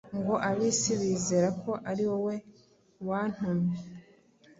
ngo ab’isi bizere ko ari wowe wantumye”.